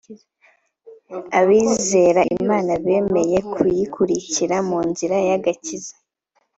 Abizera Imana bemeye guyikurikira mu nzira y’agakiza